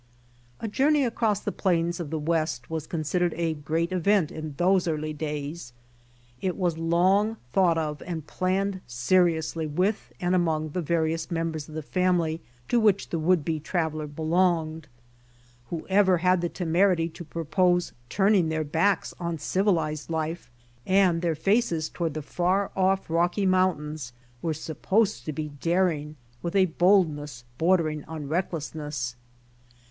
A journey across the plains of the West was con sidered a great event in those early days. It was long thought of and planned seriously with and among the various merabers of the family to which the would be traveler belonged. Whoever had the temerity to propose turning their backs on civilized life and their faces toward the far off Rocky mountains were sup posed to be daring with a boldness bordering on reck lessness.